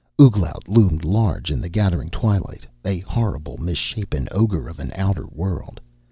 Ouglat loomed large in the gathering twilight, a horrible misshapen ogre of an outer world.